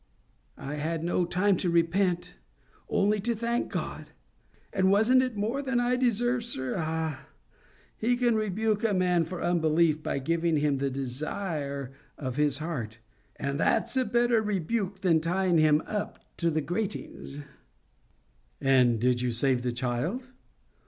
I had no time to repent, only to thank God. And wasn't it more than I deserved, sir? Ah! He can rebuke a man for unbelief by giving him the desire of his heart. And that's a better rebuke than tying him up to the gratings." "And did you save the child?"